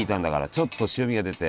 ちょっと塩みが出て。